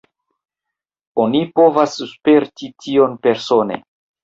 Oni povas sperti tion persone.